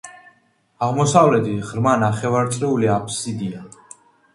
აღმოსავლეთით ღრმა ნახევარწრიული აფსიდია.